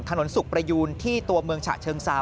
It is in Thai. ถนนสุขประยูนที่ตัวเมืองฉะเชิงเซา